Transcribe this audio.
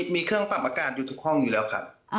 มีเครื่องปรับอากาศอยู่ทุกห้องอยู่แล้วครับ